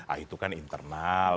ah itu kan internal